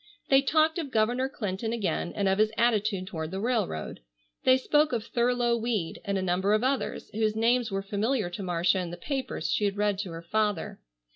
They talked of Governor Clinton again and of his attitude toward the railroad. They spoke of Thurlow Weed and a number of others whose names were familiar to Marcia in the papers she had read to her father.